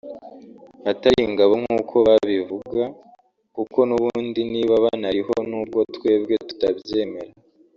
atari ingabo nkuko babivuga kuko n’ubundi niba banariho n’ubwo twebwe tutabyemera